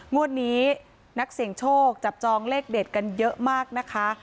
งวดนี้นักเสี่ยงโชคจับจองเลขเด็ดกันเยอะมากนะคะ